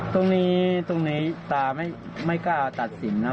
ตรงนี้ตรงนี้ตาไม่กล้าตัดสินนะครับ